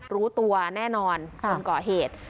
รู้ตัวแน่นอนคนก่อเหตุ